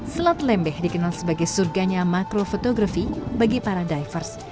selat lembeh dikenal sebagai surganya makrofotografi bagi para divers